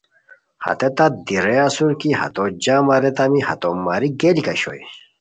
ہتے تات دی رے اسور کی ہتو جام اریتامی ہتو ماری گئیلیک اوشوئے